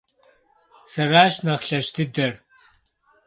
Сэращ нэхъ лъэщ дыдэр!